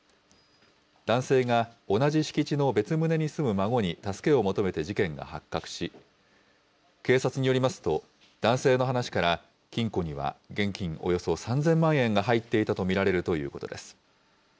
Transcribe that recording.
男性が同じ敷地の別棟に住む孫に助けを求めて事件が発覚し、警察によりますと、男性の話から、金庫には現金およそ３０００万円が入っていたと見られるということです。